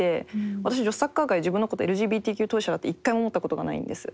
私女子サッカー界で自分のことＬＧＢＴＱ当事者だって一回も思ったことがないんです。